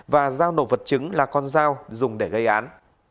và giao nổ vật chứng là con dao dùng để gây án